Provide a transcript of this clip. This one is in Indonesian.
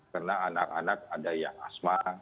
karena anak anak ada yang asma